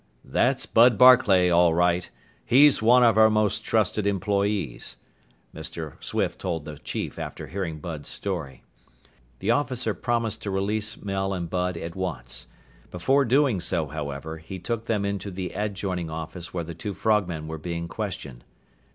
"That's Bud Barclay, all right. He's one of our most trusted employees," Mr. Swift told the chief after hearing Bud's story. The officer promised to release Mel and Bud at once. Before doing so, however, he took them into the adjoining office where the two frogmen were being questioned.